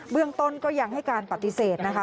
เรื่องต้นก็ยังให้การปฏิเสธนะคะ